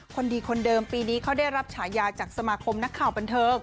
คนดีคนเดิมปีนี้เขาได้รับฉายาจากสมาคมนักข่าวบันเทิง